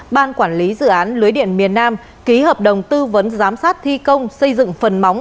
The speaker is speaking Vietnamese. ban quản lý dự án lưới điện miền nam ký hợp đồng tư vấn giám sát thi công xây dựng phần móng